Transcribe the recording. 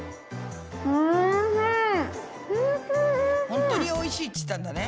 ほんとにおいしいって言ったんだね。